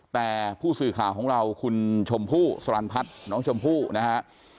แต่ผู้สื่อข่าวของเราคุณชมพู่สลันพัฒน์น้องชมพู่นะฮะ